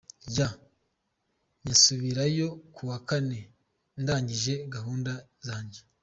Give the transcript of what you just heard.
Y: Nzasubirayo kuwa Kane ndangije gahunda zanjye.